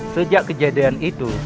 sejak kejadian itu